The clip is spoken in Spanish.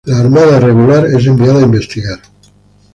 La armada regular es enviada a investigar.